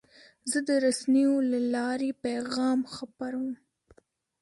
زه د رسنیو له لارې پیغام خپروم.